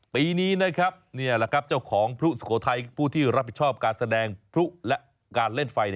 ปีนี้เจ้าของพลุสุโขทัยผู้ที่รับผิดชอบการแสดงพลุและเล่นไฟ